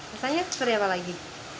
rasanya seperti apa lagi